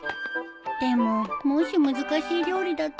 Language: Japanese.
でももし難しい料理だったらどうしよう